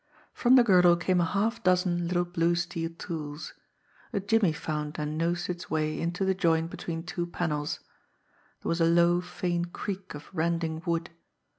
From the girdle came a half dozen little blue steel tools. A jimmy found and nosed its way into the joint between two panels. There was a low, faint creak of rending wood.